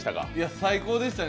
最高でしたよね。